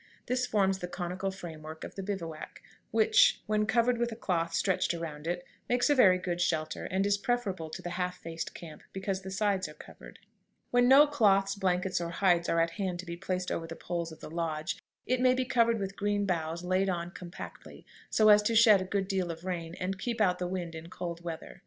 This forms the conical frame work of the bivouac, which, when covered with a cloth stretched around it, makes a very good shelter, and is preferable to the half faced camp, because the sides are covered. [Illustration: CONICAL BIVOUAC.] When no cloths, blankets, or hides are at hand to be placed over the poles of the lodge, it may be covered with green boughs laid on compactly, so as to shed a good deal of rain, and keep out the wind in cold weather.